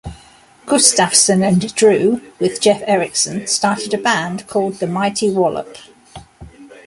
Gustafson and Drew, with Jeff Erickson started a band called The Mighty Wallop!